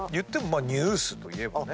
ニュースといえばね。